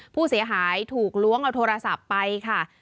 ผู้เสียหายถูกล้วงเอาโทรศัพท์ไปค่ะ